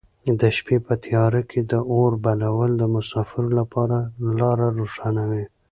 د شپې په تیاره کې د اور بلول د مساپرو لپاره لاره روښانوي.